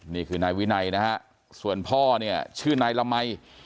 นี่คือนายวินัยนะฮะส่วนพ่อเนี่ยชื่อนายละมัย